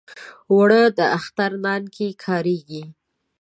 اوړه د اختر نان کې کارېږي